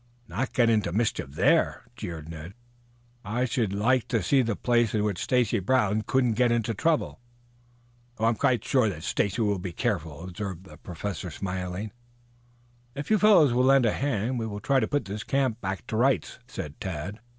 "Not get into mischief there?" jeered Ned. "I should like to see the place in which Stacy Brown couldn't get into trouble." "I am quite sure that Stacy will be careful," observed the Professor smilingly. "If you fellows will lend a hand we will try to put this camp to rights," said Tad.